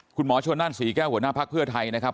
คุณหมอชนนั่นศรีแก้วหัวหน้าภักดิ์เพื่อไทยนะครับ